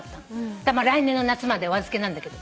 だから来年の夏までお預けなんだけど。